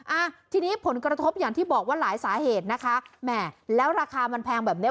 อ่ะทีนี้ผลกระทบอย่างที่บอกว่าหลายสาเหตุนะคะแหม่แล้วราคามันแพงแบบเนี้ย